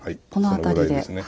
この辺りで。